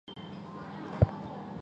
刘明利。